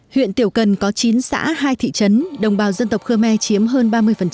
huyện tiểu cần có chín xã hai thị trấn đồng bào dân tộc khơ me chiếm hơn ba mươi